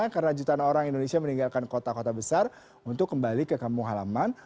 karena jutaan orang indonesia meninggalkan kota kota besar untuk kembali ke kampung halaman